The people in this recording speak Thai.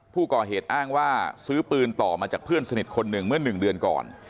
ผู้ก่อเหตุอ้างว่าซื้อปืนต่อมาจากเพื่อนสนิทคนหนึ่งเมื่อ๑เดือนก่อน